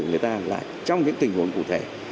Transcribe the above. người ta lại trong những tình huống cụ thể